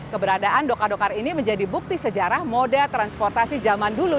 keberadaan dokar dokar ini menjadi bukti sejarah mode transportasi zaman dulu